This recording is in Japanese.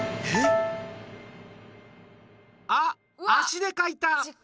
あ、足でかいた！